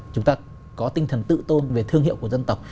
chúng ta có tinh thần tự tôn về thương hiệu của dân tộc